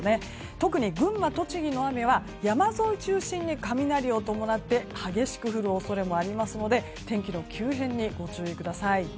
特に群馬、栃木の雨は山沿いを中心に雷を伴って激しく降る恐れがありますので天気の急変にご注意ください。